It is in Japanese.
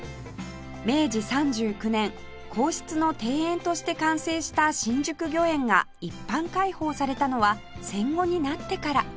明治３９年皇室の庭園として完成した新宿御苑が一般開放されたのは戦後になってから